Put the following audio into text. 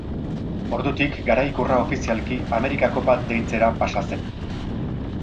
Ordutik, garaikurra, ofizialki, Amerika Kopa deitzera pasa zen.